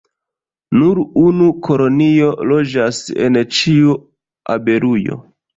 Nur unu kolonio loĝas en ĉiu abelujo.